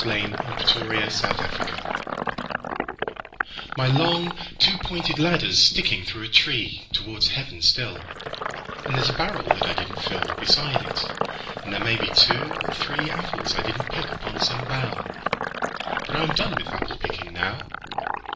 1915. 10. After Apple picking MY long two pointed ladder's sticking through a treeToward heaven still, And there's a barrel that I didn't fillBeside it, and there may be two or threeApples I didn't pick upon some bough. But I am done with apple picking now.